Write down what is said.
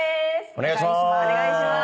お願いしまーす。